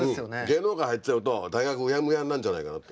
芸能界入っちゃうと大学うやむやになるんじゃないかなって。